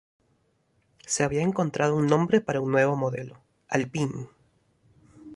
Se había encontrado un nombre para un nuevo modelo: "Alpine".